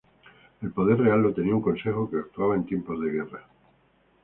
El poder real lo tenía un Consejo que actuaba en tiempos de guerra.